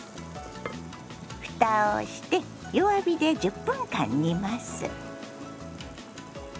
ふたをして弱火で１０分間煮ます。